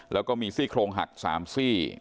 แล้วก็มีซี่โครงหัก๓ซี่